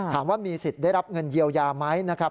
ถามว่ามีสิทธิ์ได้รับเงินเยียวยาไหมนะครับ